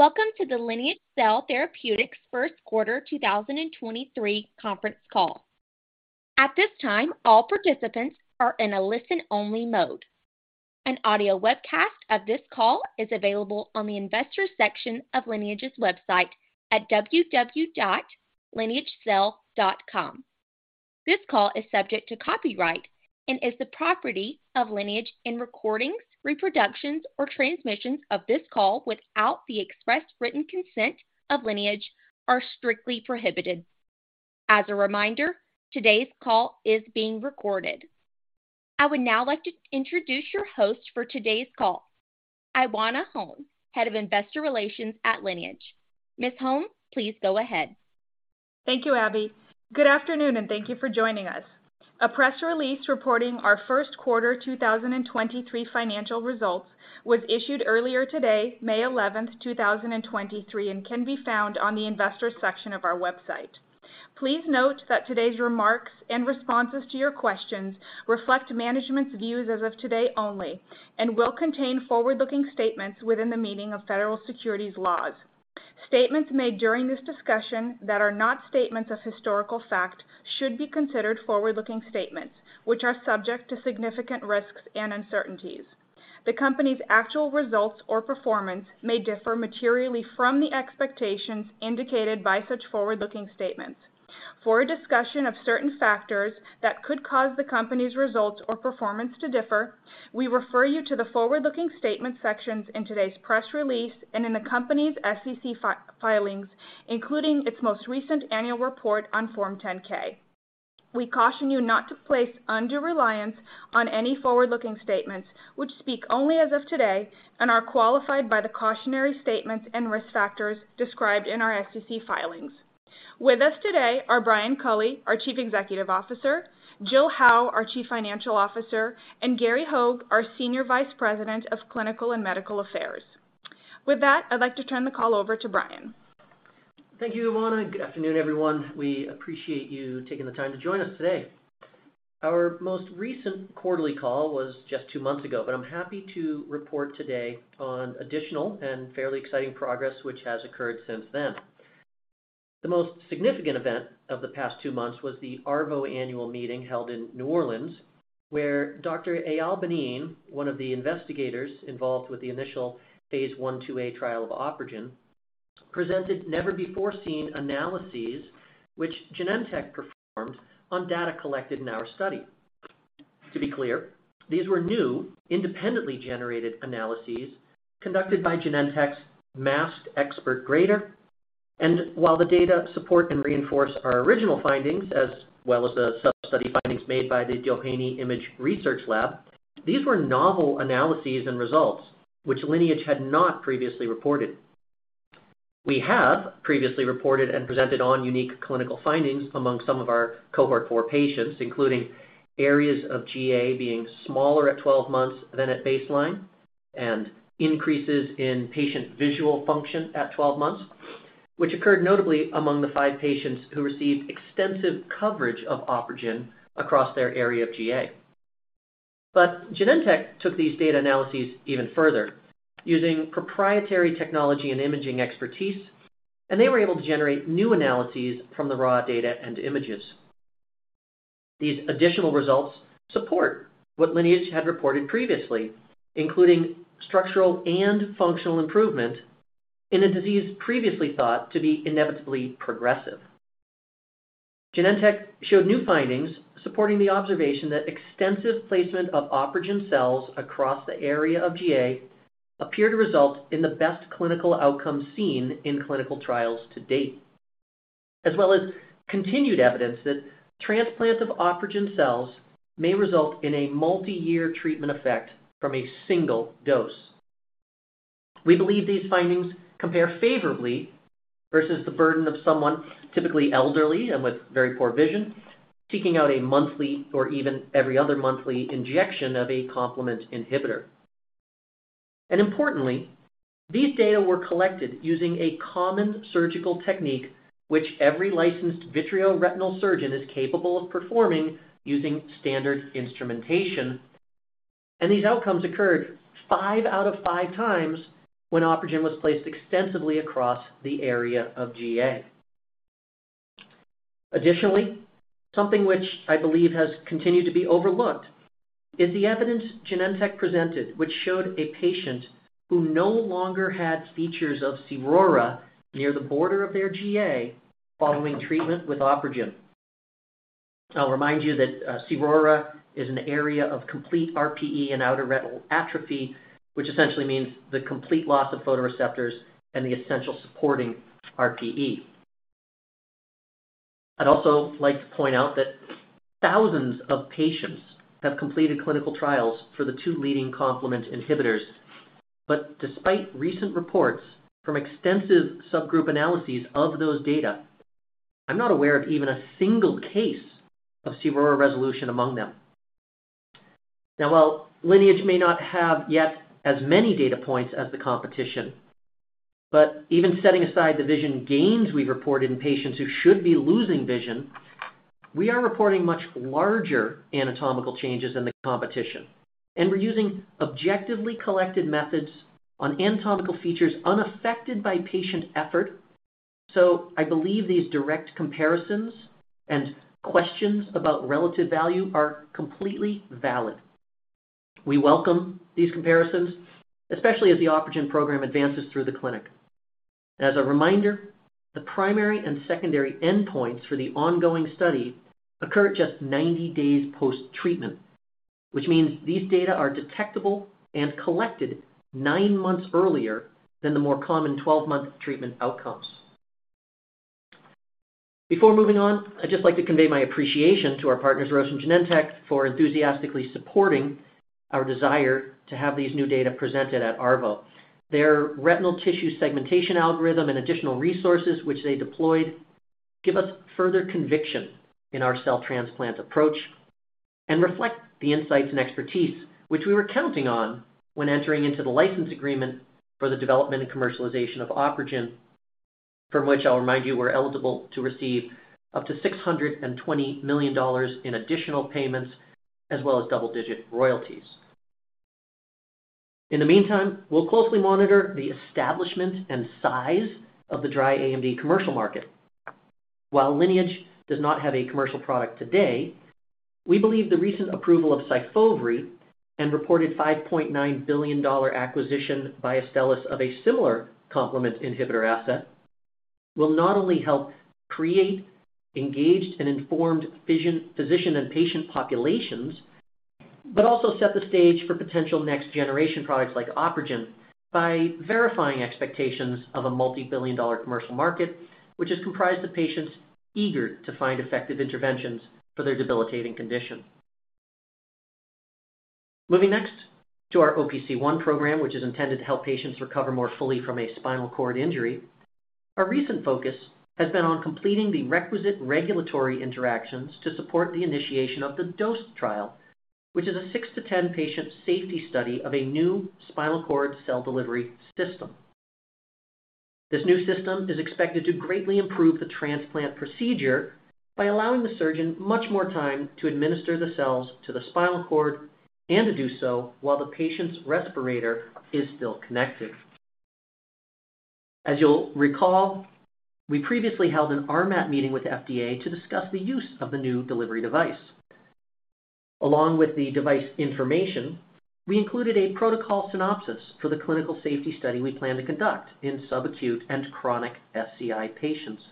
Welcome to the Lineage Cell Therapeutics 1st Quarter 2023 Conference Call. At this time, all participants are in a listen-only mode. An audio webcast of this call is available on the Investors section of Lineage's website at www.lineagecell.com. This call is subject to copyright and is the property of Lineage, and recordings, reproductions, or transmissions of this call without the express written consent of Lineage are strictly prohibited. As a reminder, today's call is being recorded. I would now like to introduce your host for today's call, Ioana Hone, Head of Investor Relations at Lineage. Ms. Hone, please go ahead. Thank you, Abby. Good afternoon, and thank you for joining us. A press release reporting our first quarter 2023 financial results was issued earlier today, May 11, 2023, and can be found on the Investors section of our website. Please note that today's remarks and responses to your questions reflect management's views as of today only and will contain forward-looking statements within the meaning of federal securities laws. Statements made during this discussion that are not statements of historical fact should be considered forward-looking statements, which are subject to significant risks and uncertainties. The company's actual results or performance may differ materially from the expectations indicated by such forward-looking statements. For a discussion of certain factors that could cause the company's results or performance to differ, we refer you to the forward-looking statement sections in today's press release and in the company's SEC filings, including its most recent annual report on Form 10-K. We caution you not to place undue reliance on any forward-looking statements, which speak only as of today and are qualified by the cautionary statements and risk factors described in our SEC filings. With us today are Brian Culley, our Chief Executive Officer; Jill Howe, our Chief Financial Officer; and Gary Hogge, our Senior Vice President of Clinical and Medical Affairs. With that, I'd like to turn the call over to Brian. Thank you, Ioana. Good afternoon, everyone. We appreciate you taking the time to join us today. Our most recent quarterly call was just two months ago, but I'm happy to report today on additional and fairly exciting progress which has occurred since then. The most significant event of the past two months was the Arvo annual meeting held in New Orleans, where Dr. Eyal Banin, one of the investigators involved with the initial phase 1/2a trial of OpRegen, presented never-before-seen analyses which Genentech performed on data collected in our study. To be clear, these were new, independently generated analyses conducted by Genentech's masked expert grader. While the data support and reinforce our original findings as well as the sub-study findings made by the Doheny Image Research Lab, these were novel analyses and results which Lineage had not previously reported. We have previously reported and presented on unique clinical findings among some of our Cohort 4 patients, including areas of GA being smaller at 12 months than at baseline and increases in patient visual function at 12 months, which occurred notably among the 5 patients who received extensive coverage of OpRegen across their area of GA. Genentech took these data analyses even further. Using proprietary technology and imaging expertise, they were able to generate new analyses from the raw data and images. These additional results support what Lineage had reported previously, including structural and functional improvement in a disease previously thought to be inevitably progressive. Genentech showed new findings supporting the observation that extensive placement of OpRegen cells across the area of GA appear to result in the best clinical outcome seen in clinical trials to date, as well as continued evidence that transplant of OpRegen cells may result in a multi-year treatment effect from a single dose. We believe these findings compare favorably versus the burden of someone, typically elderly and with very poor vision, seeking out a monthly or even every other monthly injection of a complement inhibitor. Importantly, these data were collected using a common surgical technique which every licensed vitreoretinal surgeon is capable of performing using standard instrumentation. These outcomes occurred 5 out of 5 times when OpRegen was placed extensively across the area of GA. Additionally, something which I believe has continued to be overlooked is the evidence Genentech presented, which showed a patient who no longer had features of cRORA near the border of their GA following treatment with OpRegen. I'll remind you that cRORA is an area of complete RPE and outer retinal atrophy, which essentially means the complete loss of photoreceptors and the essential supporting RPE. I'd also like to point out that thousands of patients have completed clinical trials for the two leading complement inhibitors. Despite recent reports from extensive subgroup analyses of those data, I'm not aware of even a single case of cRORA resolution among them. While Lineage may not have yet as many data points as the competition, but even setting aside the vision gains we report in patients who should be losing vision. We are reporting much larger anatomical changes than the competition, and we're using objectively collected methods on anatomical features unaffected by patient effort. I believe these direct comparisons and questions about relative value are completely valid. We welcome these comparisons, especially as the OpRegen program advances through the clinic. As a reminder, the primary and secondary endpoints for the ongoing study occur just 90 days post-treatment, which means these data are detectable and collected 9 months earlier than the more common 12-month treatment outcomes. Before moving on, I'd just like to convey my appreciation to our partners, Roche and Genentech, for enthusiastically supporting our desire to have these new data presented at Arvo. Their retinal tissue segmentation algorithm and additional resources which they deployed give us further conviction in our cell transplant approach and reflect the insights and expertise which we were counting on when entering into the license agreement for the development and commercialization of OpRegen, from which I'll remind you we're eligible to receive up to $620 million in additional payments as well as double-digit royalties. In the meantime, we'll closely monitor the establishment and size of the dry AMD commercial market. While Lineage does not have a commercial product today, we believe the recent approval of Syfovre and reported $5.9 billion acquisition by Astellas of a similar complement inhibitor asset will not only help create engaged and informed physician and patient populations, but also set the stage for potential next-generation products like OpRegen by verifying expectations of a multi-billion dollar commercial market, which is comprised of patients eager to find effective interventions for their debilitating condition. Moving next to our OPC1 program, which is intended to help patients recover more fully from a spinal cord injury, our recent focus has been on completing the requisite regulatory interactions to support the initiation of the DOSE trial, which is a 6 to 10 patient safety study of a new spinal cord cell delivery system. This new system is expected to greatly improve the transplant procedure by allowing the surgeon much more time to administer the cells to the spinal cord and to do so while the patient's respirator is still connected. As you'll recall, we previously held an RMAT meeting with FDA to discuss the use of the new delivery device. Along with the device information, we included a protocol synopsis for the clinical safety study we plan to conduct in subacute and chronic SCI patients.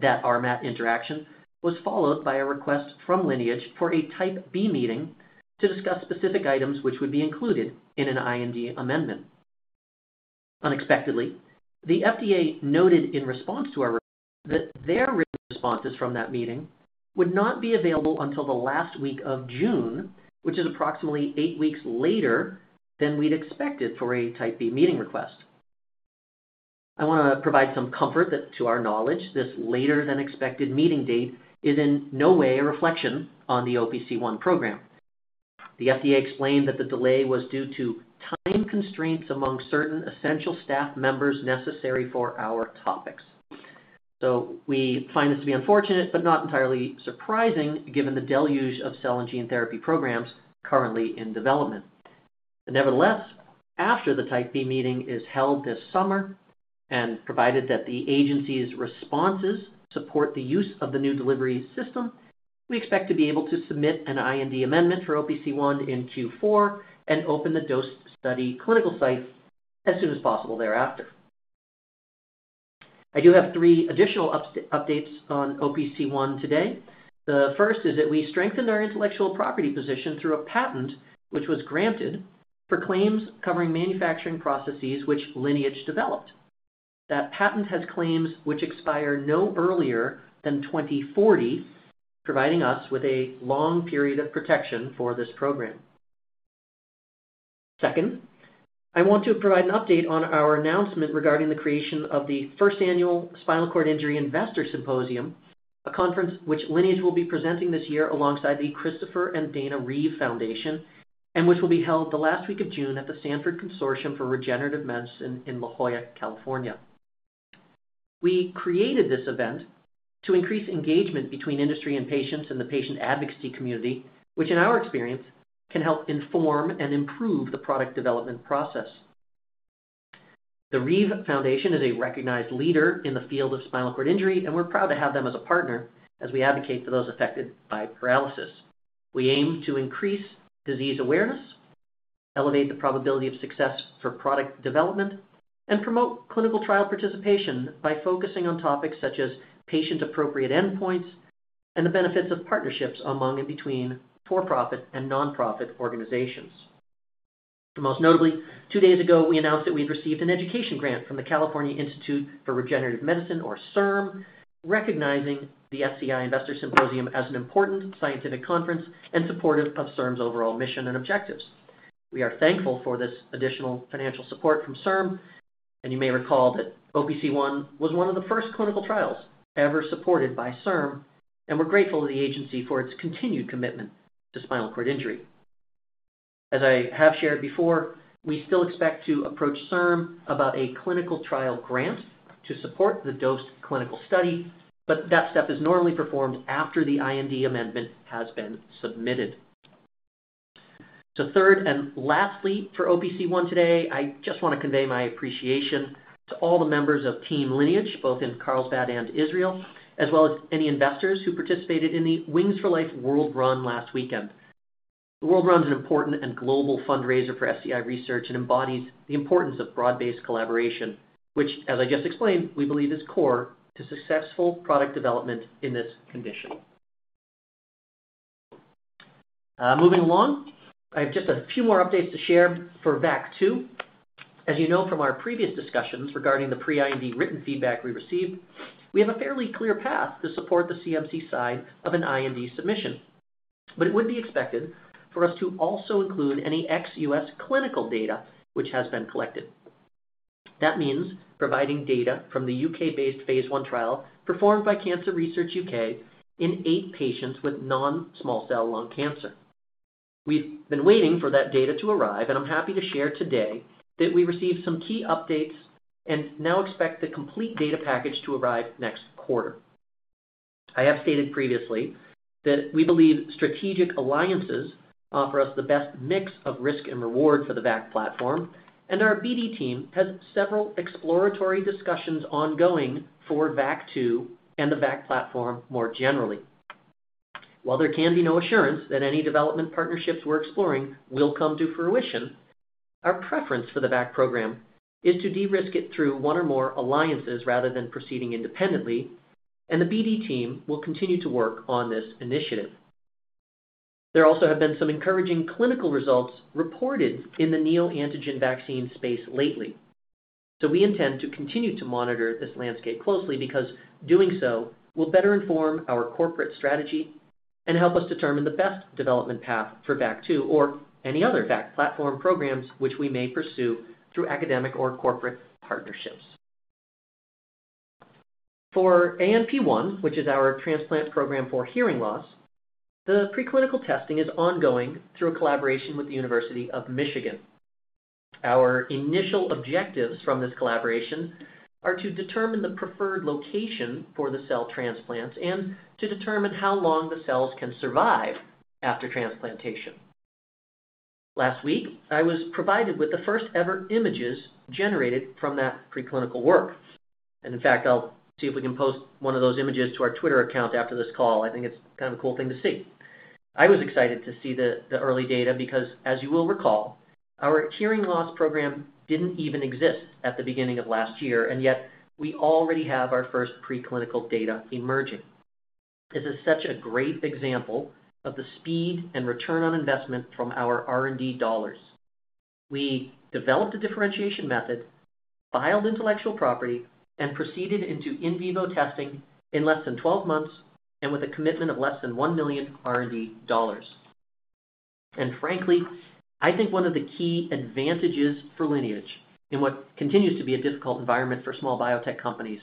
That RMAT interaction was followed by a request from Lineage for a Type B meeting to discuss specific items which would be included in an IND amendment. Unexpectedly, the FDA noted in response to our request that their written responses from that meeting would not be available until the last week of June, which is approximately 8 weeks later than we'd expected for a Type B meeting request. I want to provide some comfort that to our knowledge, this later than expected meeting date is in no way a reflection on the OPC1 program. The FDA explained that the delay was due to time constraints among certain essential staff members necessary for our topics. We find this to be unfortunate, but not entirely surprising given the deluge of cell and gene therapy programs currently in development. Nevertheless, after the Type B meeting is held this summer and provided that the agency's responses support the use of the new delivery system, we expect to be able to submit an IND amendment for OPC1 in Q4 and open the DOSE study clinical sites as soon as possible thereafter. I do have three additional updates on OPC1 today. The first is that we strengthened our intellectual property position through a patent which was granted for claims covering manufacturing processes which Lineage developed. That patent has claims which expire no earlier than 2040, providing us with a long period of protection for this program. Second, I want to provide an update on our announcement regarding the creation of the first annual SCI Investor Symposium, a conference which Lineage will be presenting this year alongside the Christopher & Dana Reeve Foundation, and which will be held the last week of June at the Sanford Consortium for Regenerative Medicine in La Jolla, California. We created this event to increase engagement between industry and patients and the patient advocacy community, which in our experience can help inform and improve the product development process. The Reeve Foundation is a recognized leader in the field of spinal cord injury, and we're proud to have them as a partner as we advocate for those affected by paralysis. We aim to increase disease awareness, elevate the probability of success for product development, and promote clinical trial participation by focusing on topics such as patient-appropriate endpoints and the benefits of partnerships among and between for-profit and non-profit organizations. Most notably, 2 days ago, we announced that we'd received an education grant from the California Institute for Regenerative Medicine, or CIRM, recognizing the SCI Investor Symposium as an important scientific conference and supportive of CIRM's overall mission and objectives. We are thankful for this additional financial support from CIRM. You may recall that OPC1 was one of the first clinical trials ever supported by CIRM, and we're grateful to the agency for its continued commitment to spinal cord injury. As I have shared before, we still expect to approach CIRM about a clinical trial grant to support the DOSE clinical study. That step is normally performed after the IND amendment has been submitted. Third and lastly for OPC1 today, I just want to convey my appreciation to all the members of Team Lineage, both in Carlsbad and Israel, as well as any investors who participated in the Wings for Life World Run last weekend. The World Run is an important and global fundraiser for SCI research and embodies the importance of broad-based collaboration, which as I just explained, we believe is core to successful product development in this condition. Moving along, I have just a few more updates to share for VAC2. As you know from our previous discussions regarding the pre-IND written feedback we received, we have a fairly clear path to support the CMC side of an IND submission. It would be expected for us to also include any ex-US clinical data which has been collected. That means providing data from the UK-based phase 1 trial performed by Cancer Research UK in eight patients with non-small cell lung cancer. We've been waiting for that data to arrive, I'm happy to share today that we received some key updates and now expect the complete data package to arrive next quarter. I have stated previously that we believe strategic alliances offer us the best mix of risk and reward for the VAC platform, our BD team has several exploratory discussions ongoing for VAC2 and the VAC platform more generally. While there can be no assurance that any development partnerships we're exploring will come to fruition, our preference for the VAC program is to de-risk it through one or more alliances rather than proceeding independently, the BD team will continue to work on this initiative. There also have been some encouraging clinical results reported in the neoantigen vaccine space lately. We intend to continue to monitor this landscape closely because doing so will better inform our corporate strategy and help us determine the best development path for VAC2 or any other VAC platform programs which we may pursue through academic or corporate partnerships. For ANP1, which is our transplant program for hearing loss, the preclinical testing is ongoing through a collaboration with the University of Michigan. Our initial objectives from this collaboration are to determine the preferred location for the cell transplants and to determine how long the cells can survive after transplantation. Last week, I was provided with the first-ever images generated from that preclinical work. In fact, I'll see if we can post one of those images to our Twitter account after this call. I think it's kind of a cool thing to see. I was excited to see the early data because as you will recall, our hearing loss program didn't even exist at the beginning of last year, yet we already have our first preclinical data emerging. This is such a great example of the speed and return on investment from our R&D dollars. We developed a differentiation method, filed intellectual property, and proceeded into in vivo testing in less than 12 months and with a commitment of less than $1 million R&D dollars. Frankly, I think one of the key advantages for Lineage in what continues to be a difficult environment for small biotech companies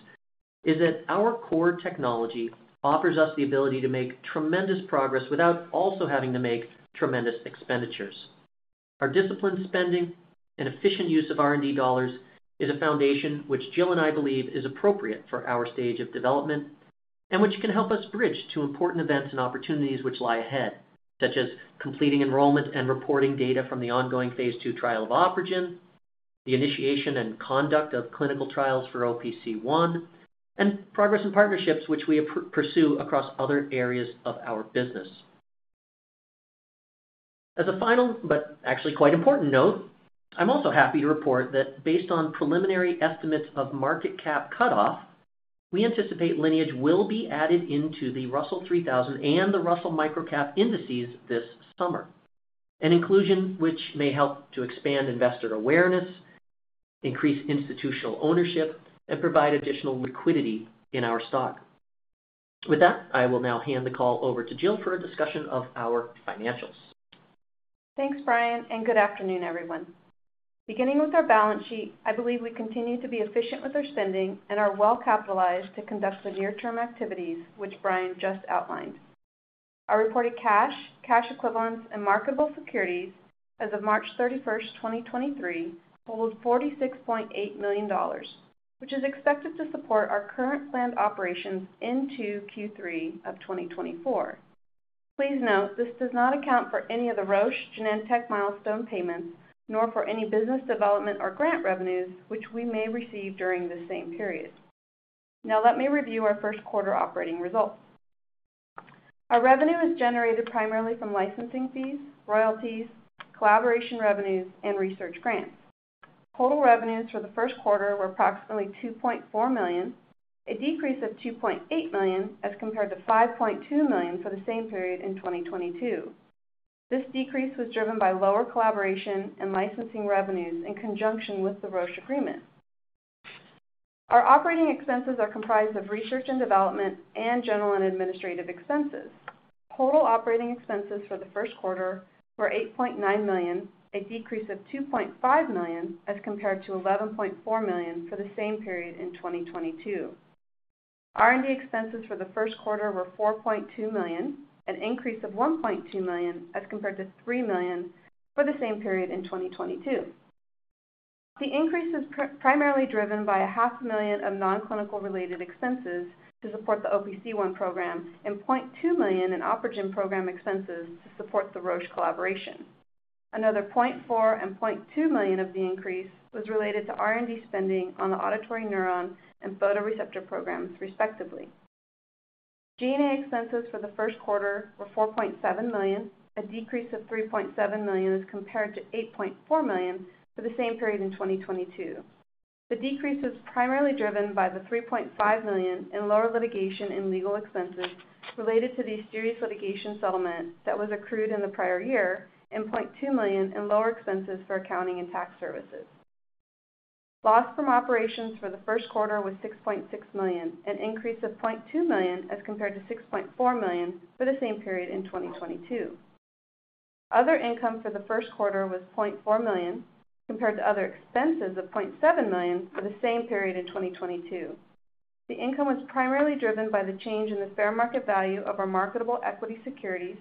is that our core technology offers us the ability to make tremendous progress without also having to make tremendous expenditures. Our disciplined spending and efficient use of R&D dollars is a foundation which Jill and I believe is appropriate for our stage of development and which can help us bridge to important events and opportunities which lie ahead, such as completing enrollment and reporting data from the ongoing phase 2 trial of OpRegen, the initiation and conduct of clinical trials for OPC1, and progress and partnerships which we pursue across other areas of our business. As a final but actually quite important note, I'm also happy to report that based on preliminary estimates of market cap cutoff, we anticipate Lineage will be added into the Russell 3000 and the Russell Microcap Index this summer, an inclusion which may help to expand investor awareness, increase institutional ownership, and provide additional liquidity in our stock. With that, I will now hand the call over to Jill for a discussion of our financials. Thanks, Brian. Good afternoon, everyone. Beginning with our balance sheet, I believe we continue to be efficient with our spending and are well-capitalized to conduct the near-term activities which Brian just outlined. Our reported cash equivalents, and marketable securities as of March 31st, 2023, total of $46.8 million, which is expected to support our current planned operations into Q3 of 2024. Please note this does not account for any of the Roche Genentech milestone payments, nor for any business development or grant revenues which we may receive during the same period. Let me review our first quarter operating results. Our revenue is generated primarily from licensing fees, royalties, collaboration revenues, and research grants. Total revenues for the first quarter were approximately $2.4 million, a decrease of $2.8 million as compared to $5.2 million for the same period in 2022. This decrease was driven by lower collaboration and licensing revenues in conjunction with the Roche agreement. Our operating expenses are comprised of research and development and general and administrative expenses. Total operating expenses for the first quarter were $8.9 million, a decrease of $2.5 million as compared to $11.4 million for the same period in 2022. R&D expenses for the first quarter were $4.2 million, an increase of $1.2 million as compared to $3 million for the same period in 2022. The increase is primarily driven by a half million of non-clinical related expenses to support the OPC1 program and $0.2 million in OpRegen program expenses to support the Roche collaboration. $0.4 million and $0.2 million of the increase was related to R&D spending on the auditory neuron and photoreceptor programs, respectively. G&A expenses for the first quarter were $4.7 million, a decrease of $3.7 million as compared to $8.4 million for the same period in 2022. The decrease was primarily driven by the $3.5 million in lower litigation and legal expenses related to the Asterias litigation settlement that was accrued in the prior year and $0.2 million in lower expenses for accounting and tax services. Loss from operations for the first quarter was $6.6 million, an increase of $0.2 million as compared to $6.4 million for the same period in 2022. Other income for the first quarter was $0.4 million compared to other expenses of $0.7 million for the same period in 2022. The income was primarily driven by the change in the fair market value of our marketable equity securities,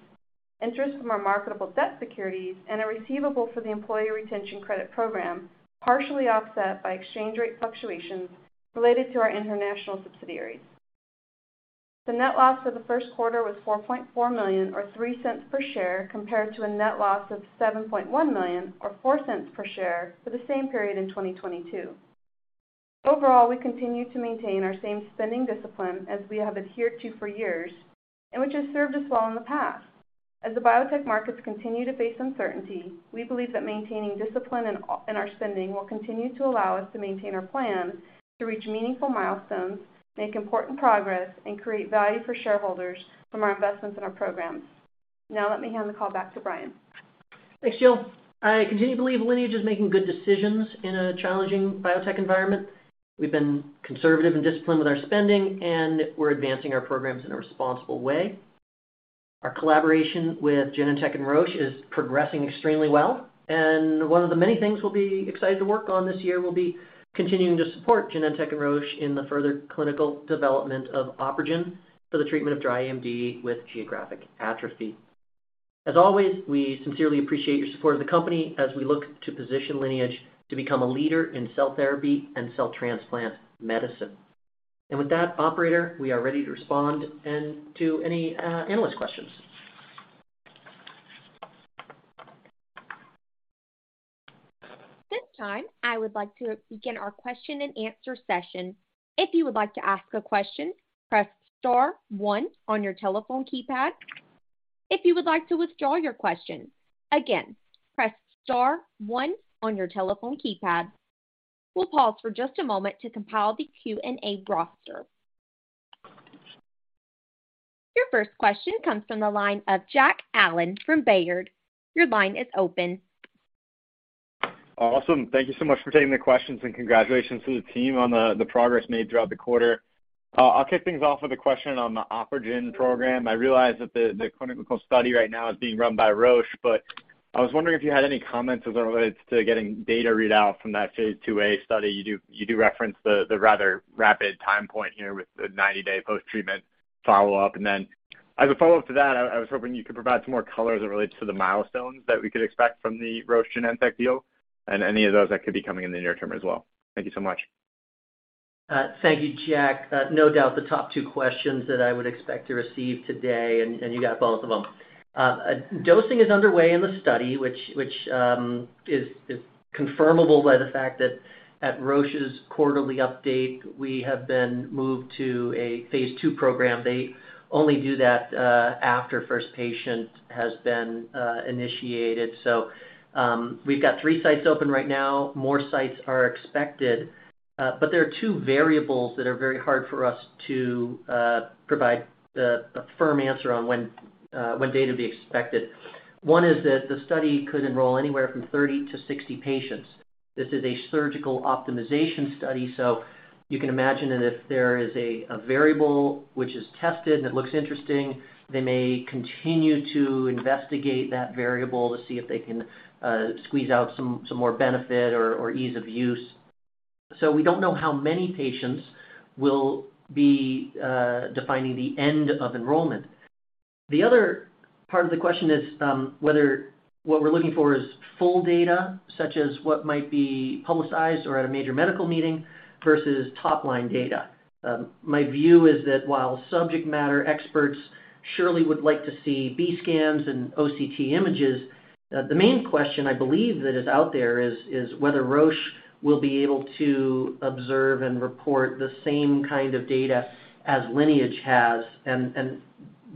interest from our marketable debt securities, and a receivable for the Employee Retention Credit program, partially offset by exchange rate fluctuations related to our international subsidiaries. The net loss for the first quarter was $4.4 million or $0.03 per share compared to a net loss of $7.1 million or $0.04 per share for the same period in 2022. Overall, we continue to maintain our same spending discipline as we have adhered to for years and which has served us well in the past. As the biotech markets continue to face uncertainty, we believe that maintaining discipline in our spending will continue to allow us to maintain our plan to reach meaningful milestones, make important progress, and create value for shareholders from our investments in our programs. Now let me hand the call back to Brian. Thanks, Jill. I continue to believe Lineage is making good decisions in a challenging biotech environment. We've been conservative and disciplined with our spending, and we're advancing our programs in a responsible way. Our collaboration with Genentech and Roche is progressing extremely well, and one of the many things we'll be excited to work on this year will be continuing to support Genentech and Roche in the further clinical development of OpRegen for the treatment of dry AMD with geographic atrophy. As always, we sincerely appreciate your support of the company as we look to position Lineage to become a leader in cell therapy and cell transplant medicine. With that, operator, we are ready to respond and to any analyst questions. At this time, I would like to begin our question-and-answer session. If you would like to ask a question, press star one on your telephone keypad. If you would like to withdraw your question, again, press star one on your telephone keypad. We'll pause for just a moment to compile the Q&A roster. Your first question comes from the line of Jack Allen from Baird. Your line is open. Awesome. Thank you so much for taking the questions and congratulations to the team on the progress made throughout the quarter. I'll kick things off with a question on the OpRegen program. I realize that the clinical study right now is being run by Roche, but I was wondering if you had any comments as it relates to getting data read out from that phase 2A study. You do reference the rather rapid time point here with the 90-day post-treatment follow-up. As a follow-up to that, I was hoping you could provide some more color as it relates to the milestones that we could expect from the Roche Genentech deal and any of those that could be coming in the near term as well. Thank you so much. Thank you, Jack. No doubt the top two questions that I would expect to receive today and you got both of them. Dosing is underway in the study, which is confirmable by the fact that at Roche's quarterly update, we have been moved to a phase 2 program. They only do that after first patient has been initiated. We've got three sites open right now. More sites are expected, but there are two variables that are very hard for us to provide the firm answer on when data be expected. One is that the study could enroll anywhere from 30 to 60 patients. This is a surgical optimization study. You can imagine that if there is a variable which is tested and it looks interesting, they may continue to investigate that variable to see if they can squeeze out some more benefit or ease of use. We don't know how many patients will be defining the end of enrollment. The other part of the question is whether what we're looking for is full data, such as what might be publicized or at a major medical meeting, versus top-line data. My view is that while subject matter experts surely would like to see B-scans and OCT images, the main question I believe that is out there is whether Roche will be able to observe and report the same kind of data as Lineage has, and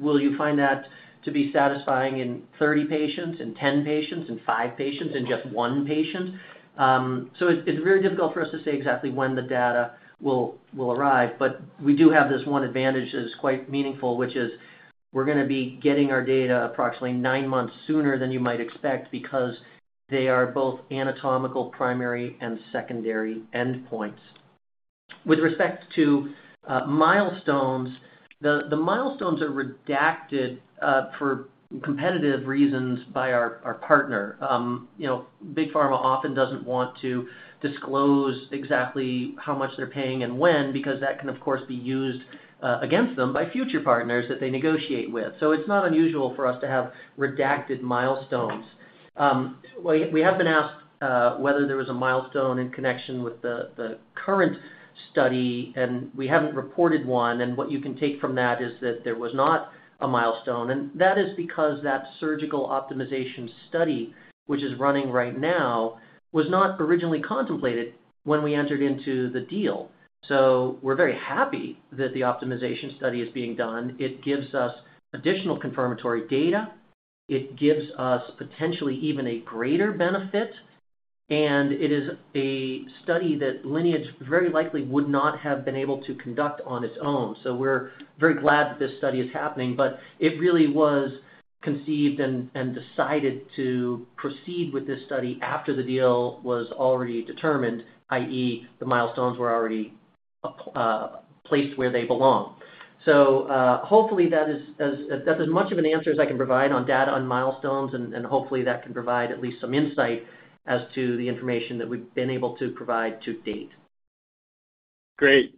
will you find that to be satisfying in 30 patients, in 10 patients, in 5 patients, in just 1 patient? It's very difficult for us to say exactly when the data will arrive, but we do have this one advantage that is quite meaningful, which is we're gonna be getting our data approximately 9 months sooner than you might expect because they are both anatomical primary and secondary endpoints. With respect to milestones. The milestones are redacted for competitive reasons by our partner. You know, big pharma often doesn't want to disclose exactly how much they're paying and when, because that can of course be used against them by future partners that they negotiate with. It's not unusual for us to have redacted milestones. We have been asked whether there was a milestone in connection with the current study, and we haven't reported one, and what you can take from that is that there was not a milestone. That is because that surgical optimization study, which is running right now, was not originally contemplated when we entered into the deal. We're very happy that the optimization study is being done. It gives us additional confirmatory data. It gives us potentially even a greater benefit. It is a study that Lineage very likely would not have been able to conduct on its own. We're very glad that this study is happening, but it really was conceived and decided to proceed with this study after the deal was already determined, i.e., the milestones were already placed where they belong. Hopefully that is as much of an answer as I can provide on data on milestones, and hopefully that can provide at least some insight as to the information that we've been able to provide to date. Great.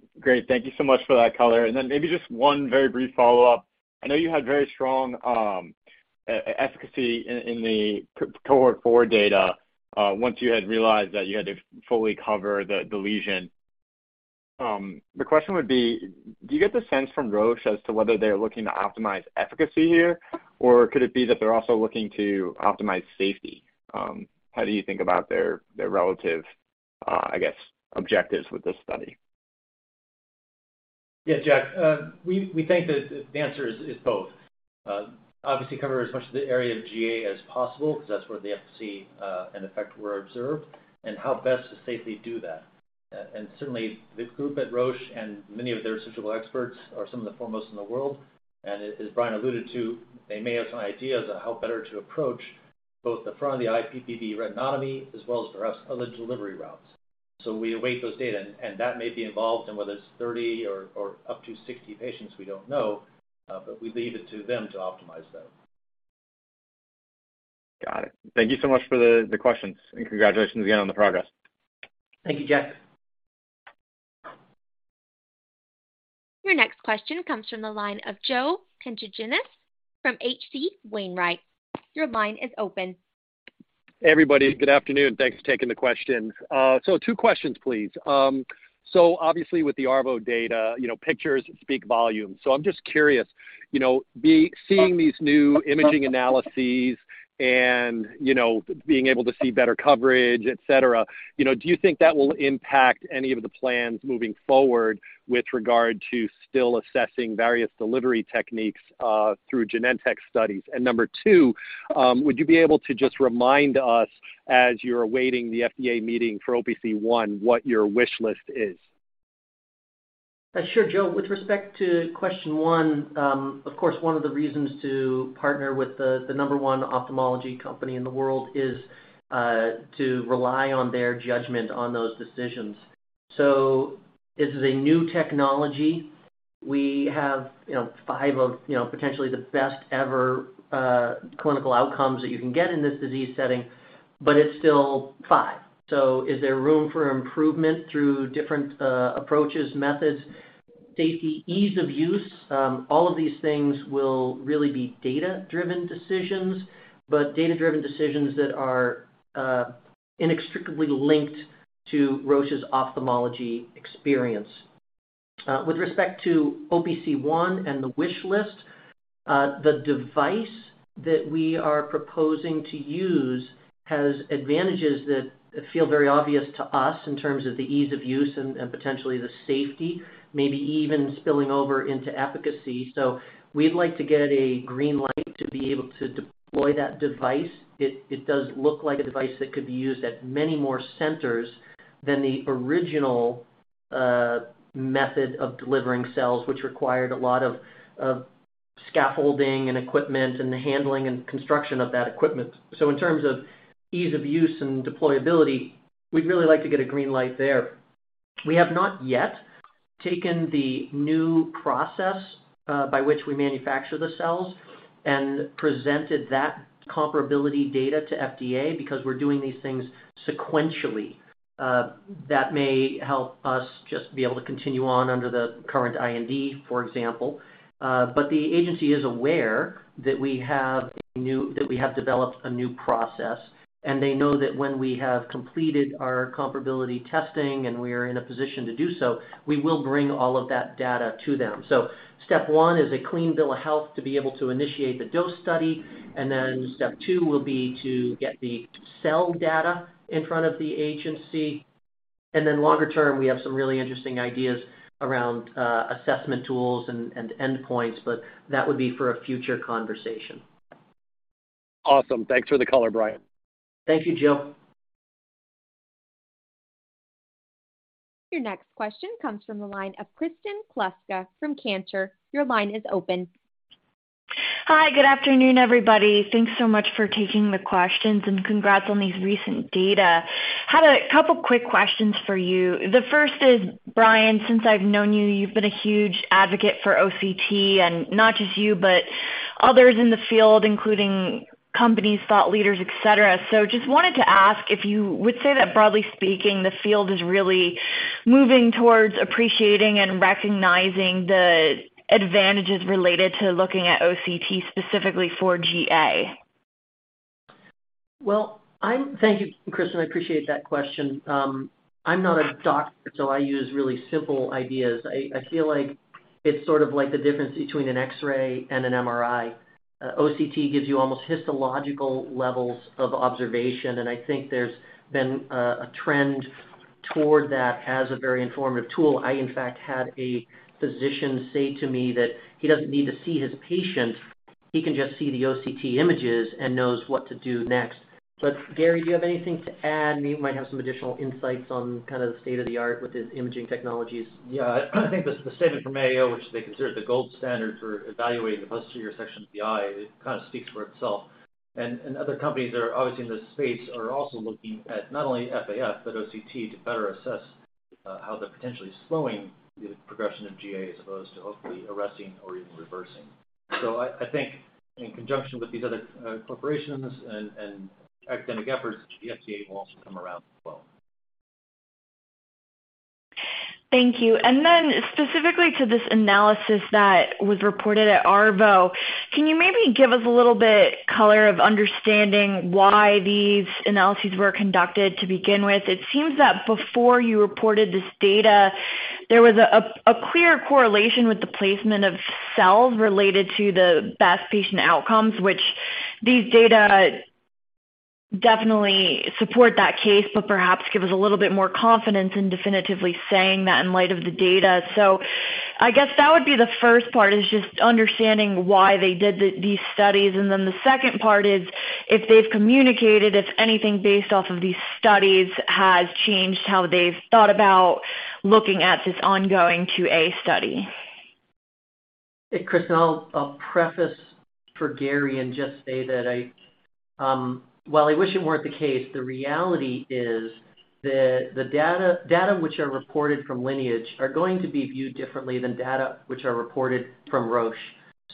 Thank you so much for that color. Then maybe just one very brief follow-up. I know you had very strong efficacy in the Cohort 4 data, once you had realized that you had to fully cover the lesion. The question would be, do you get the sense from Roche as to whether they're looking to optimize efficacy here? Or could it be that they're also looking to optimize safety? How do you think about their relative, I guess, objectives with this study? Yeah, Jack. We think that the answer is both. Obviously cover as much of the area of GA as possible, 'cause that's where the efficacy and effect were observed, and how best to safely do that. Certainly the group at Roche and many of their surgical experts are some of the foremost in the world. As Brian alluded to, they may have some ideas on how better to approach both the front of the ILM, the retinotomy, as well as perhaps other delivery routes. We await those data, and that may be involved in whether it's 30 or up to 60 patients, we don't know, but we leave it to them to optimize that. Got it. Thank you so much for the questions. Congratulations again on the progress. Thank you, Jack. Your next question comes from the line of Joe Pantginis from H.C. Wainwright. Your line is open. Hey, everybody. Good afternoon. Thanks for taking the questions. 2 questions, please. Obviously with the Arvo data, you know, pictures speak volumes. I'm just curious, you know, seeing these new imaging analyses and, you know, being able to see better coverage, et cetera, you know, do you think that will impact any of the plans moving forward with regard to still assessing various delivery techniques through Genentech studies? Number 2, would you be able to just remind us as you're awaiting the FDA meeting for OPC1, what your wish list is? Sure, Joe. With respect to question 1, of course, one of the reasons to partner with the number 1 ophthalmology company in the world is to rely on their judgment on those decisions. This is a new technology. We have, you know, 5 of, you know, potentially the best ever clinical outcomes that you can get in this disease setting, but it's still 5. Is there room for improvement through different approaches, methods, safety, ease of use? All of these things will really be data-driven decisions, but data-driven decisions that are inextricably linked to Roche's ophthalmology experience. With respect to OPC1 and the wish list, the device that we are proposing to use has advantages that feel very obvious to us in terms of the ease of use and potentially the safety, maybe even spilling over into efficacy. We'd like to get a green light to be able to deploy that device. It does look like a device that could be used at many more centers than the original method of delivering cells, which required a lot of scaffolding and equipment and the handling and construction of that equipment. In terms of ease of use and deployability, we'd really like to get a green light there. We have not yet taken the new process by which we manufacture the cells and presented that comparability data to FDA because we're doing these things sequentially. That may help us just be able to continue on under the current IND, for example. The agency is aware that we have developed a new process, and they know that when we have completed our comparability testing and we are in a position to do so, we will bring all of that data to them. Step one is a clean bill of health to be able to initiate the DOSE study, and then step two will be to get the cell data in front of the agency. Longer term, we have some really interesting ideas around assessment tools and endpoints, but that would be for a future conversation. Awesome. Thanks for the color, Brian. Thank you, Joe. Your next question comes from the line of Kristen Kluska from Cantor. Your line is open. Hi, good afternoon, everybody. Thanks so much for taking the questions and congrats on these recent data. Had a couple quick questions for you. The first is, Brian, since I've known you've been a huge advocate for OCT, and not just you, but others in the field, including companies, thought leaders, et cetera. Just wanted to ask if you would say that broadly speaking, the field is really moving towards appreciating and recognizing the advantages related to looking at OCT specifically for GA? Thank you, Kristen. I appreciate that question. I'm not a doctor, so I use really simple ideas. I feel like it's sort of like the difference between an X-ray and an MRI. OCT gives you almost histological levels of observation, and I think there's been a trend toward that as a very informative tool. I, in fact, had a physician say to me that he doesn't need to see his patient. He can just see the OCT images and knows what to do next. Gary, do you have anything to add? You might have some additional insights on kind of the state-of-the-art with the imaging technologies. Yeah. I think the statement from AO, which they consider the gold standard for evaluating the posterior section of the eye, it kinda speaks for itself. Other companies that are obviously in this space are also looking at not only FAF, but OCT to better assess how they're potentially slowing the progression of GA as opposed to hopefully arresting or even reversing. I think in conjunction with these other corporations and academic efforts, the FDA will also come around as well. Thank you. Specifically to this analysis that was reported at Arvo, can you maybe give us a little bit color of understanding why these analyses were conducted to begin with? It seems that before you reported this data, there was a clear correlation with the placement of cells related to the best patient outcomes, which these data definitely support that case, but perhaps give us a little bit more confidence in definitively saying that in light of the data. I guess that would be the first part, is just understanding why they did these studies. The second part is if they've communicated, if anything based off of these studies has changed how they've thought about looking at this ongoing 2a study. Hey, Kristen, I'll preface for Gary and just say that I, while I wish it weren't the case, the reality is that the data which are reported from Lineage are going to be viewed differently than data which are reported from Roche.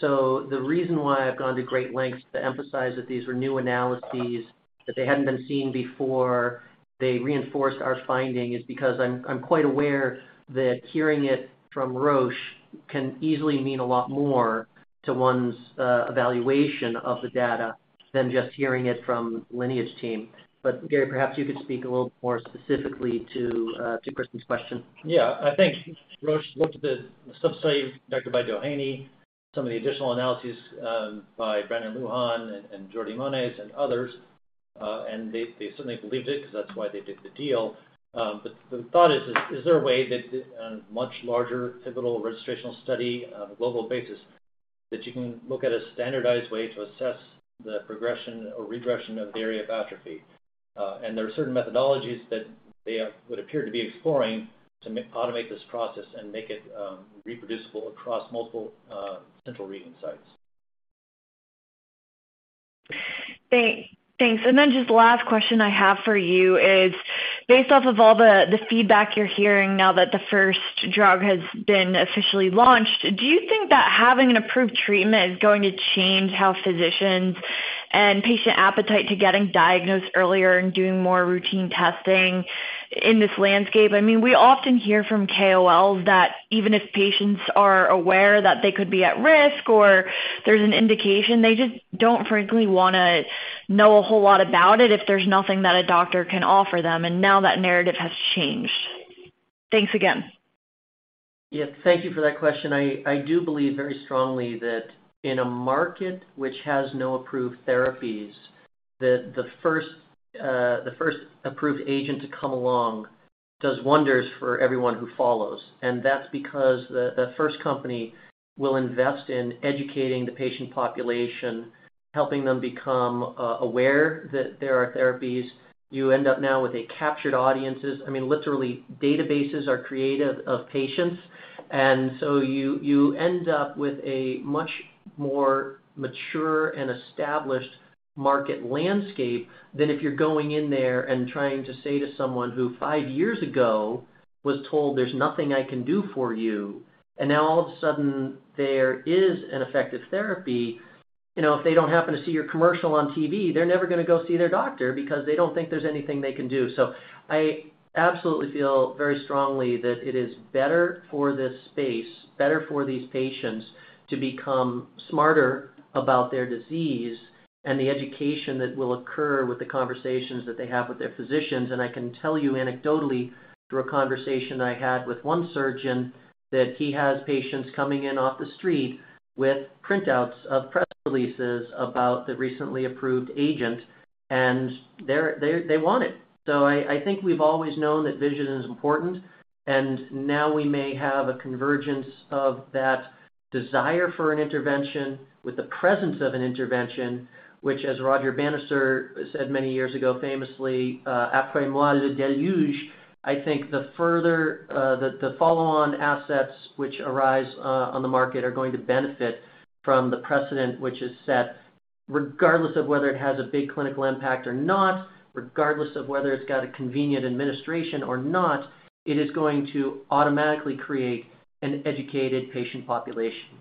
The reason why I've gone to great lengths to emphasize that these were new analyses that they hadn't been seeing before they reinforced our finding is because I'm quite aware that hearing it from Roche can easily mean a lot more to one's evaluation of the data than just hearing it from Lineage team. Gary, perhaps you could speak a little more specifically to Kristen's question. I think Roche looked at the sub-study conducted by Doheny, some of the additional analyses, by Brandon Lujan and Jordi Monés and others. They certainly believed it 'cause that's why they did the deal. The thought is there a way that on a much larger pivotal registrational study on a global basis that you can look at a standardized way to assess the progression or regression of the area of atrophy? There are certain methodologies that they would appear to be exploring to automate this process and make it reproducible across multiple central reading sites. Thanks. Just last question I have for you is, based off of all the feedback you're hearing now that the first drug has been officially launched, do you think that having an approved treatment is going to change how physicians and patient appetite to getting diagnosed earlier and doing more routine testing in this landscape? I mean, we often hear from KOLs that even if patients are aware that they could be at risk or there's an indication, they just don't frankly wanna know a whole lot about it if there's nothing that a doctor can offer them. Now that narrative has changed. Thanks again. Yeah. Thank you for that question. I do believe very strongly that in a market which has no approved therapies, that the first approved agent to come along does wonders for everyone who follows. That's because the first company will invest in educating the patient population, helping them become aware that there are therapies. You end up now with a captured audiences. I mean, literally databases are created of patients. you end up with a much more mature and established market landscape than if you're going in there and trying to say to someone who five years ago was told, "There's nothing I can do for you." Now all of a sudden there is an effective therapy. You know, if they don't happen to see your commercial on TV, they're never gonna go see their doctor because they don't think there's anything they can do. I absolutely feel very strongly that it is better for this space, better for these patients to become smarter about their disease and the education that will occur with the conversations that they have with their physicians. I can tell you anecdotally through a conversation I had with one surgeon that he has patients coming in off the street with printouts of press releases about the recently approved agent, and they want it. I think we've always known that vision is important, and now we may have a convergence of that desire for an intervention with the presence of an intervention, which as Roger Bannister said many years ago famously, "Après moi, le deluge." I think the further, the follow-on assets which arise on the market are going to benefit from the precedent which is set. Regardless of whether it has a big clinical impact or not, regardless of whether it's got a convenient administration or not, it is going to automatically create an educated patient population.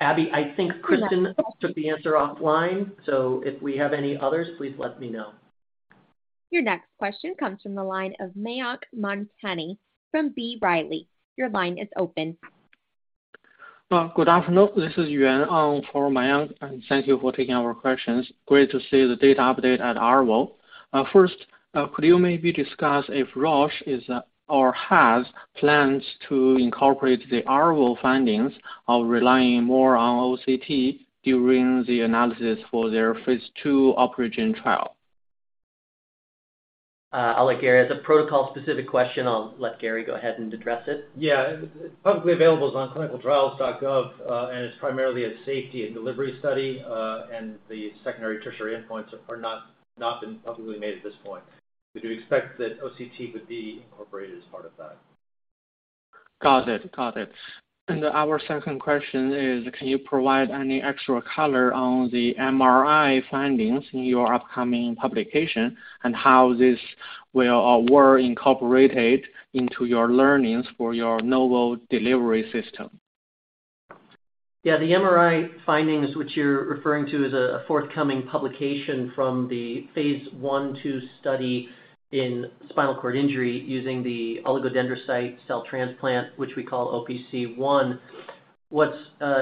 Abby, I think Kristen took the answer offline, so if we have any others, please let me know. Your next question comes from the line of Mayank Mamtani from B. Riley. Your line is open. Well, good afternoon. This is Yuan, for Mayank, and thank you for taking our questions. Great to see the data update at Arvo. First, could you maybe discuss if Roche is or has plans to incorporate the Arvo findings of relying more on OCT during the analysis for their phase two OpRegen trial? As a protocol-specific question, I'll let Gary go ahead and address it. Yeah. It, publicly available is on ClinicalTrials.gov, and it's primarily a safety and delivery study, and the secondary, tertiary endpoints are not been publicly made at this point. We do expect that OCT would be incorporated as part of that. Got it. Our second question is, can you provide any extra color on the MRI findings in your upcoming publication and how this will or were incorporated into your learnings for your novel delivery system? Yeah. The MRI findings which you're referring to is a forthcoming publication from the phase 1/2 study in spinal cord injury using the oligodendrocyte cell transplant, which we call OPC1. What's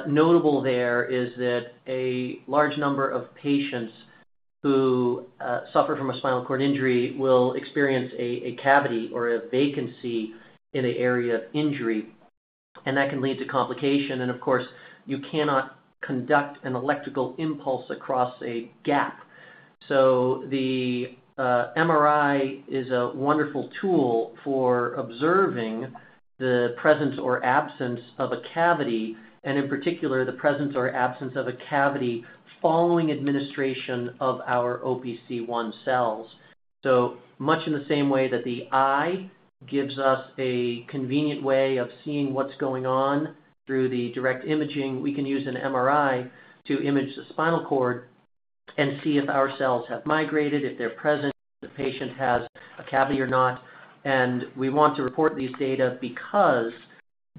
notable there is that a large number of patients who suffer from a spinal cord injury will experience a cavity or a vacancy in an area of injury. That can lead to complication. Of course, you cannot conduct an electrical impulse across a gap. The MRI is a wonderful tool for observing the presence or absence of a cavity and in particular, the presence or absence of a cavity following administration of our OPC1 cells. Much in the same way that the eye gives us a convenient way of seeing what's going on through the direct imaging, we can use an MRI to image the spinal cord and see if our cells have migrated, if they're present, if the patient has a cavity or not. We want to report these data because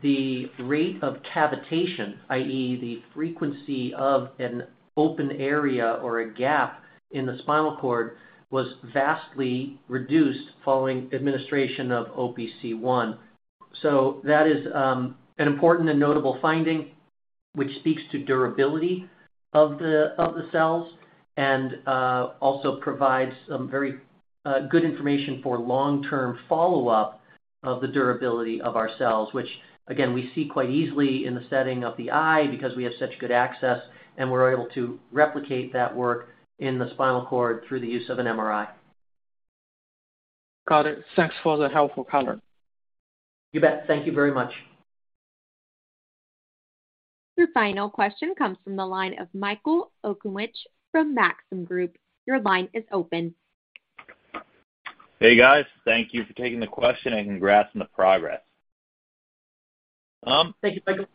the rate of cavitation, i.e., the frequency of an open area or a gap in the spinal cord, was vastly reduced following administration of OPC1. That is an important and notable finding which speaks to durability of the cells and also provides some very good information for long-term follow-up of the durability of our cells, which again, we see quite easily in the setting of the eye because we have such good access, and we're able to replicate that work in the spinal cord through the use of an MRI. Got it. Thanks for the helpful color. You bet. Thank you very much. Your final question comes from the line of Michael Okunewitch from Maxim Group. Your line is open. Hey, guys. Thank you for taking the question, and congrats on the progress. Thank you, Michael.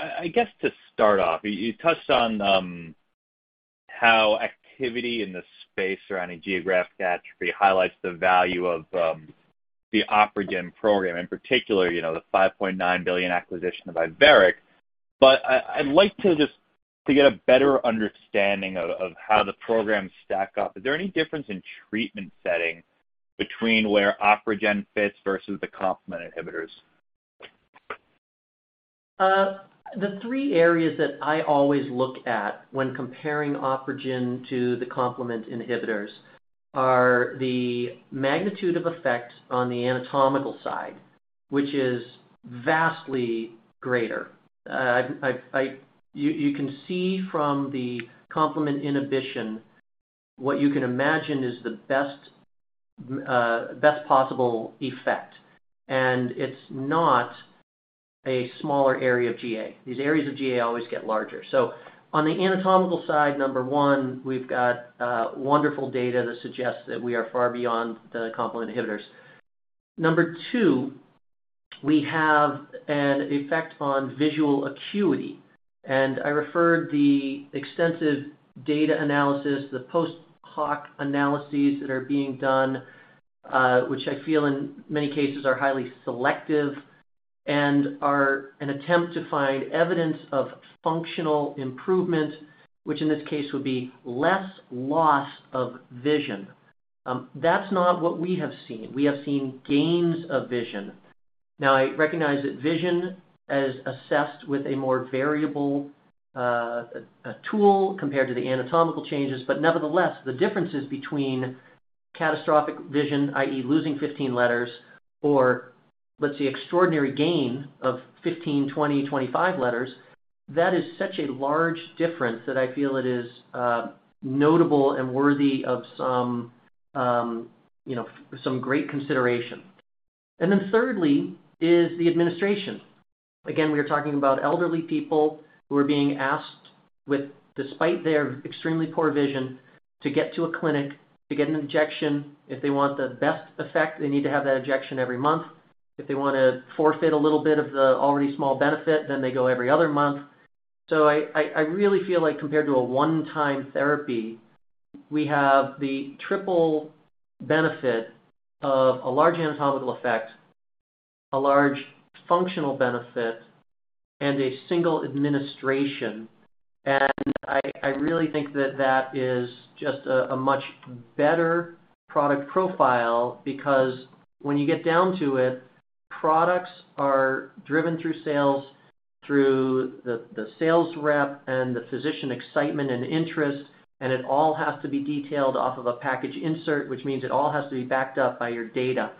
I guess to start off, you touched on how activity in the space surrounding geographic atrophy highlights the value of the OpRegen program, in particular, you know, the $5.9 billion acquisition of Iveric. I'd like to get a better understanding of how the programs stack up. Is there any difference in treatment setting between where OpRegen fits versus the complement inhibitors? The three areas that I always look at when comparing OpRegen to the complement inhibitors are the magnitude of effect on the anatomical side, which is vastly greater. You can see from the complement inhibition what you can imagine is the best possible effect. It's not a smaller area of GA. These areas of GA always get larger. On the anatomical side, number 1, we've got wonderful data that suggests that we are far beyond the complement inhibitors. Number 2, we have an effect on visual acuity, and I referred the extensive data analysis, the post hoc analyses that are being done, which I feel in many cases are highly selective and are an attempt to find evidence of functional improvement, which in this case would be less loss of vision. That's not what we have seen. We have seen gains of vision. Now, I recognize that vision as assessed with a more variable tool compared to the anatomical changes, but nevertheless, the differences between catastrophic vision, i.e., losing 15 letters or let's say extraordinary gain of 15, 20, 25 letters, that is such a large difference that I feel it is notable and worthy of some, you know, some great consideration. Thirdly is the administration. Again, we are talking about elderly people who are being asked with, despite their extremely poor vision, to get to a clinic to get an injection. If they want the best effect, they need to have that injection every month. If they wanna forfeit a little bit of the already small benefit, then they go every other month. I really feel like compared to a one-time therapy, we have the triple benefit of a large anatomical effect, a large functional benefit, and a single administration. I really think that is just a much better product profile because when you get down to it, products are driven through sales through the sales rep and the physician excitement and interest, and it all has to be detailed off of a package insert, which means it all has to be backed up by your data.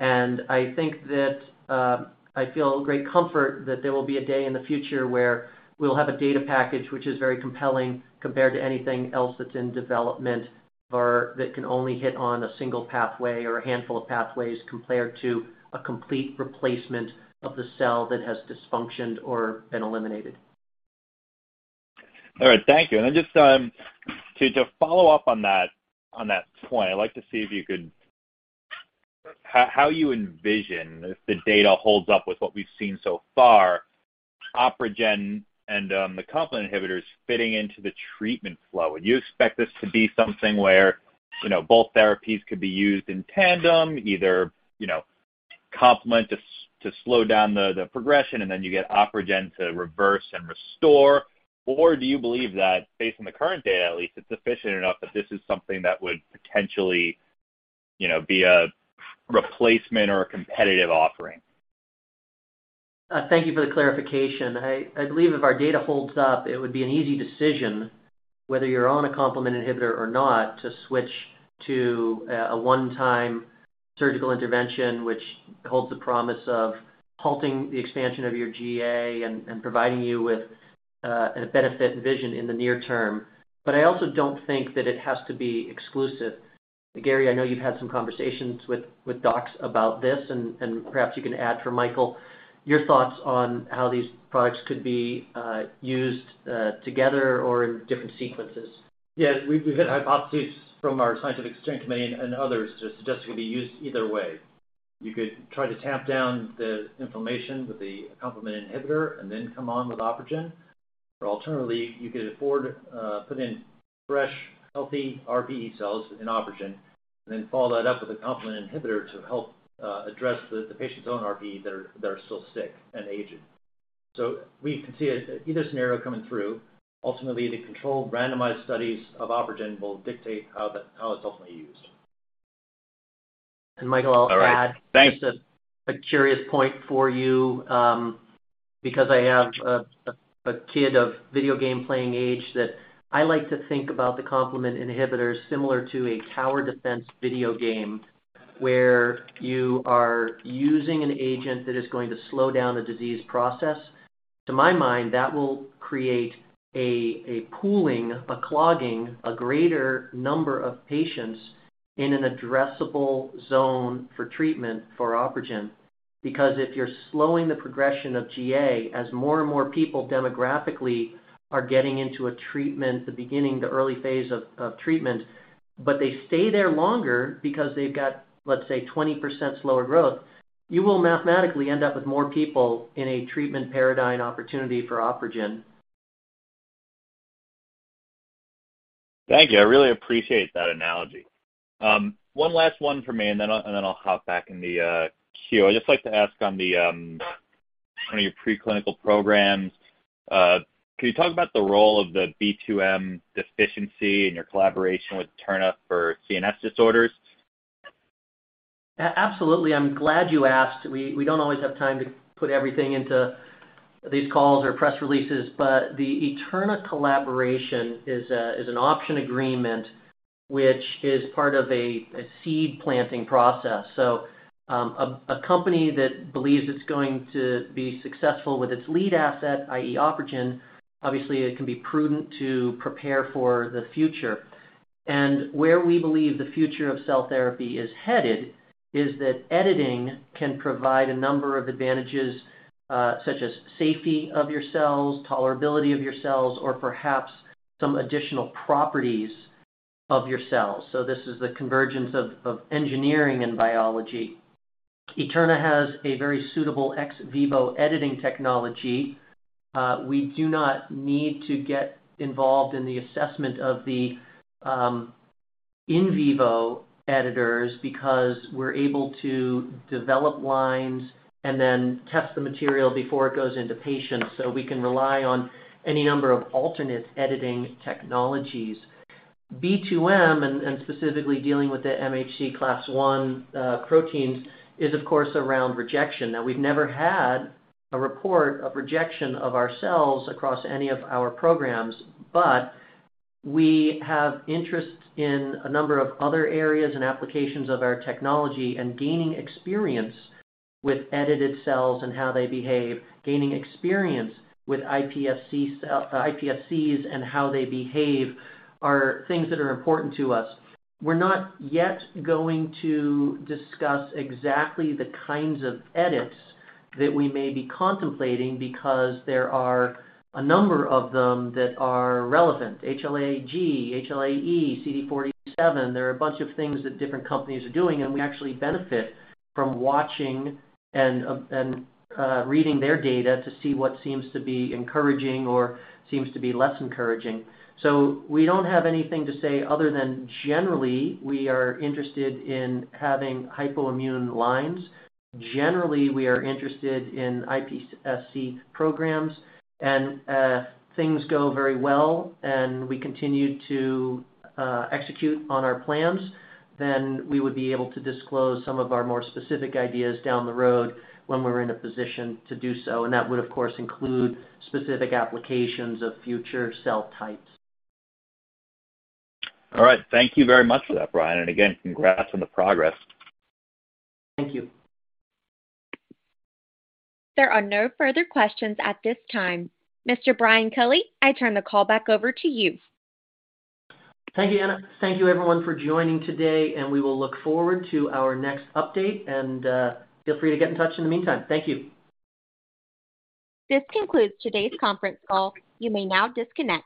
I think that, I feel great comfort that there will be a day in the future where we'll have a data package which is very compelling compared to anything else that's in development or that can only hit on a single pathway or a handful of pathways compared to a complete replacement of the cell that has dysfunctioned or been eliminated. Right. Thank you. Then just to follow up on that, on that point, I'd like to see if you could how you envision if the data holds up with what we've seen so far, OpRegen and the complement inhibitors fitting into the treatment flow. Would you expect this to be something where, you know, both therapies could be used in tandem, either, you know, complement to slow down the progression, and then you get OpRegen to reverse and restore? Do you believe that based on the current data at least, it's efficient enough that this is something that would potentially, you know, be a replacement or a competitive offering? Thank you for the clarification. I believe if our data holds up, it would be an easy decision whether you're on a complement inhibitor or not to switch to a one-time surgical intervention which holds the promise of halting the expansion of your GA and providing you with a benefit vision in the near term. I also don't think that it has to be exclusive. Gary, I know you've had some conversations with docs about this, and perhaps you can add for Michael your thoughts on how these products could be used together or in different sequences. Yes. We've had hypotheses from our scientific steering committee and others to suggest it could be used either way. You could try to tamp down the inflammation with a complement inhibitor and then come on with OpRegen. Alternatively, you could afford, put in fresh, healthy RPE cells in OpRegen and then follow that up with a complement inhibitor to help address the patient's own RPE that are still sick and aging. We can see either scenario coming through. Ultimately, the controlled randomized studies of OpRegen will dictate how it's ultimately used. Michael, I'll add. All right. Thanks. Just a curious point for you, because I have a kid of video game playing age that I like to think about the complement inhibitors similar to a tower defense video game where you are using an agent that is going to slow down the disease process. To my mind, that will create a pooling, a clogging, a greater number of patients in an addressable zone for treatment for OpRegen. If you're slowing the progression of GA, as more and more people demographically are getting into a treatment, the beginning, the early phase of treatment, but they stay there longer because they've got, let's say, 20% slower growth, you will mathematically end up with more people in a treatment paradigm opportunity for OpRegen. Thank you. I really appreciate that analogy. One last one from me, and then I'll hop back in the queue. I'd just like to ask on the one of your preclinical programs, can you talk about the role of the B2M deficiency in your collaboration with Eterna for CNS disorders? Absolutely. I'm glad you asked. We don't always have time to put everything into these calls or press releases, but the Eterna collaboration is an option agreement which is part of a seed planting process. A company that believes it's going to be successful with its lead asset, i.e., OpRegen, obviously it can be prudent to prepare for the future. Where we believe the future of cell therapy is headed is that editing can provide a number of advantages, such as safety of your cells, tolerability of your cells, or perhaps some additional properties of your cells. This is the convergence of engineering and biology. Eterna has a very suitable ex vivo editing technology. We do not need to get involved in the assessment of the in vivo editors because we're able to develop lines and then test the material before it goes into patients, so we can rely on any number of alternate editing technologies. B2M, and specifically dealing with the MHC class I proteins, is of course around rejection. Now, we've never had a report of rejection of our cells across any of our programs, but we have interest in a number of other areas and applications of our technology and gaining experience with edited cells and how they behave, gaining experience with iPSCs and how they behave are things that are important to us. We're not yet going to discuss exactly the kinds of edits that we may be contemplating because there are a number of them that are relevant, HLA-G, HLA-E, CD47. There are a bunch of things that different companies are doing, and we actually benefit from watching and reading their data to see what seems to be encouraging or seems to be less encouraging. We don't have anything to say other than generally, we are interested in having hypoimmune lines. Generally, we are interested in iPSC programs. Things go very well, and we continue to execute on our plans, then we would be able to disclose some of our more specific ideas down the road when we're in a position to do so, and that would of course include specific applications of future cell types. All right. Thank you very much for that, Brian. Again, congrats on the progress. Thank you. There are no further questions at this time. Mr. Brian Culley, I turn the call back over to you. Thank you, Anna. Thank you everyone for joining today, and we will look forward to our next update. Feel free to get in touch in the meantime. Thank you. This concludes today's conference call. You may now disconnect.